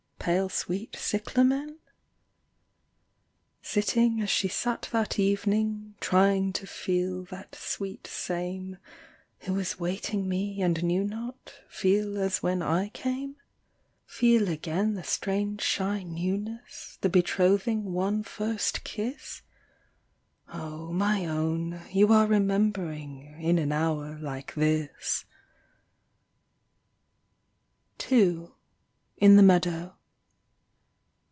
Pale sweet cyclamen ? Sitting as she sat that evening, Trying to feel that sweet same Who was waiting me and knew not, Feel as when I came ? 30 NO NEWS FROM THE WAR. Feel again the strange shy newness, The betrothing one first kiss ? Oh, my own, you are remembering In an hour like this." II. â IN THE MEADOW.